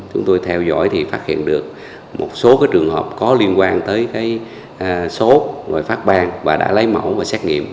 chúng tôi theo dõi thì phát hiện được một số trường hợp có liên quan tới số rồi phát bang và đã lấy mẫu và xét nghiệm